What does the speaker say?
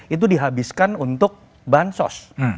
itu dihabiskan untuk bahan sos